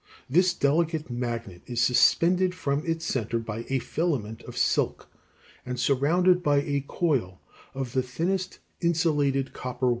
This delicate magnet is suspended from its center by a filament of silk and surrounded by a coil (b) of the thinnest insulated copper wire.